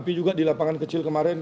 tapi juga di lapangan kecil kemarin